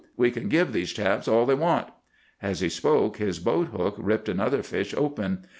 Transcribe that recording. We can give these chaps all they want.' As he spoke, his boat hook ripped another fish open.